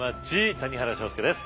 谷原章介です。